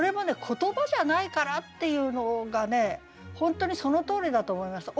「言葉じゃないから」っていうのが本当にそのとおりだと思いました。